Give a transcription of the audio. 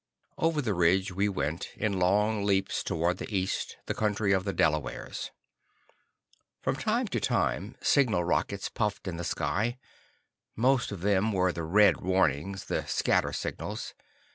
Over the ridge we went, in long leaps toward the east, the country of the Delawares. From time to time signal rockets puffed in the sky. Most of them were the "red warnings," the "scatter" signals.